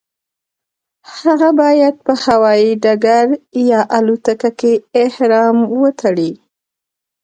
هغه باید په هوایي ډګر یا الوتکه کې احرام وتړي.